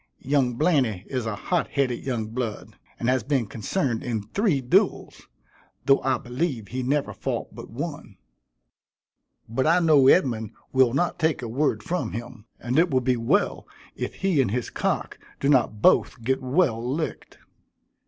Young Blainey is a hot headed young blood, and has been concerned in three duels, though I believe he never fought but one; but I know Edmund will not take a word from him, and it will be well if he and his cock do not both get well licked."